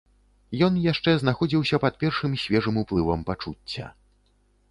Ён яшчэ знаходзіўся пад першым свежым уплывам пачуцця.